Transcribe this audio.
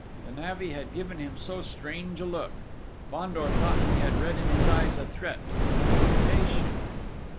The navvy had given him so strange a look. Fandor thought he had read in his eyes a threat and an invitation.